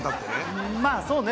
まあそうね